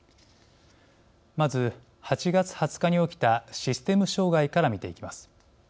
まず、８月２０日に起きたシステム障害から見ていきます。